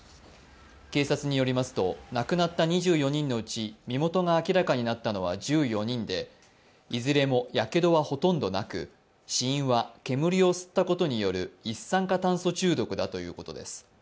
警察によりますと亡くなった２４人のうち身元が明らかになったのは１４人でいずれもやけどはほとんどなく、死因は煙を吸ったことによる一酸化炭素中毒だということです。